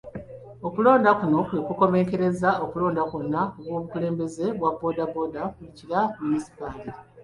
Okulonda kuno kwe kukomekkerezza okulonda kwonna okw'obukulembeze bwa bbooda bbooda mu Kira Munisipaali.